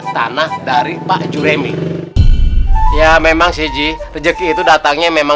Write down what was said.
tanah dari pak juremi ya memang siji rezeki itu datangnya memang